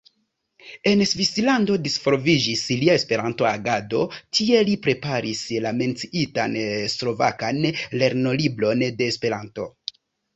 En Svislando disvolviĝis lia Esperanto-agado, tie li preparis la menciitan slovakan lernolibron de Esperanto.